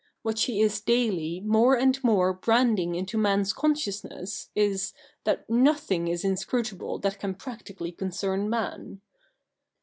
What she is daily more and more branding into man's consciousness is, that nothing is inscrutable that can practically concern man.